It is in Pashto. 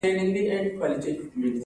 کمزوری مه ځوروئ